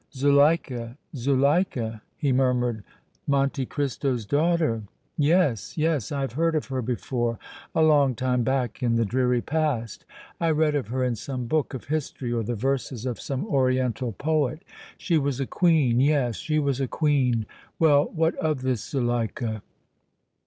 "Zuleika? Zuleika?" he murmured. "Monte Cristo's daughter? Yes, yes, I have heard of her before a long time back in the dreary past! I read of her in some book of history or the verses of some oriental poet. She was a Queen! yes, she was a Queen! Well, what of this Zuleika?"